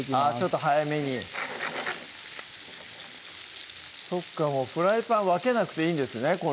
あちょっと早めにそっかもうフライパン分けなくていいんですね